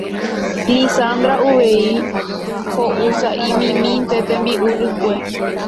Lizandra uvei ho'u sa'imimínte tembi'u rykue